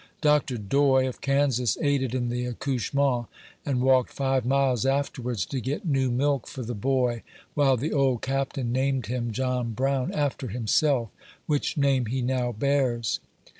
Dr. Doy, of Kansas, aided in the accouchmeut, and walked five miles afterwards to get new milk for the boy, while the old Cap tain named him John Brown, after himself, which name he now bears.